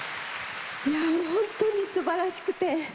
いやもう本当にすばらしくて。